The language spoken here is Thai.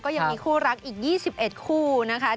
ยังมีคู่รักอีก๒๑คู่นะคะ